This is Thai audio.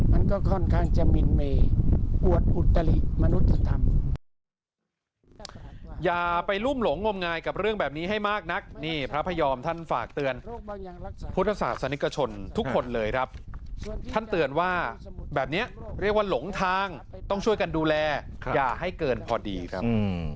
มันก็ค่อนข้างจะมินเมย์ปวดอุตริมนุษยธรรม